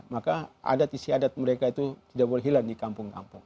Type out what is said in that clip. maka adat istiadat mereka itu tidak boleh hilang di kampung kampung